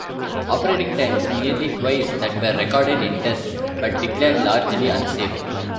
Operating times nearly twice that were recorded in tests, but declared largely unsafe.